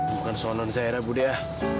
bukan soal nonzairah budi ya